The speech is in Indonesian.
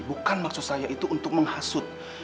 bukan maksud saya itu untuk menghasut